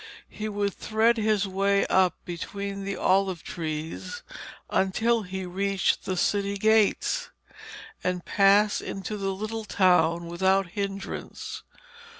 He would thread his way up between the olive trees until he reached the city gates, and pass into the little town without hindrance.